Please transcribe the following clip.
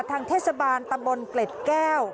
ทางเทศบาลตำบลเกล็ดแก้ว